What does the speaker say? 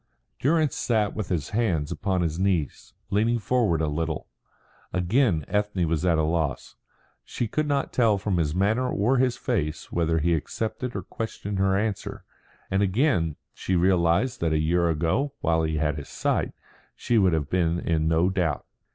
Durrance sat with his hands upon his knees, leaning forward a little. Again Ethne was at a loss. She could not tell from his manner or his face whether he accepted or questioned her answer; and again she realised that a year ago while he had his sight she would have been in no doubt.